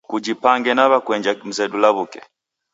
Kujipange nawekuenja mzedu lawuke